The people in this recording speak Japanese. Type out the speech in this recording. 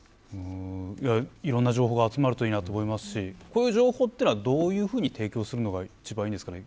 いろんな情報が集まるといいなと思いますしこういう情報はどういうふうに提供するのが一番いいんですかね。